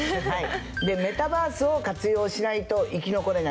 でメタバースを活用しないと生き残れない。